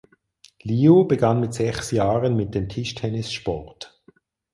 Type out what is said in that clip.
Liu begann mit sechs Jahren mit dem Tischtennissport.